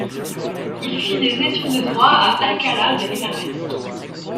Il fit des études de Droit à Alcalá de Henares.